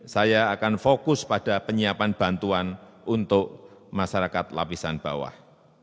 saya akan fokus pada penyiapan bantuan untuk masyarakat lapisan bawah